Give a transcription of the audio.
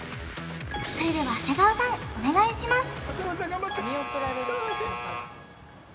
それでは長谷川さんお願いします！